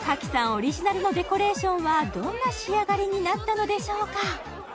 オリジナルのデコレーションはどんな仕上がりになったのでしょうか？